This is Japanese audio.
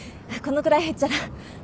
このくらいへっちゃら。